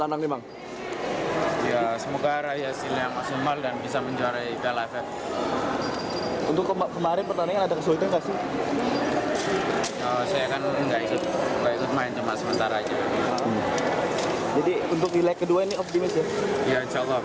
dan juga rekan rekannya